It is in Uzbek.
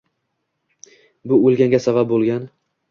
Bu o‘lganga sabab bo‘lgan